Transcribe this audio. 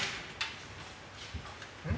うん？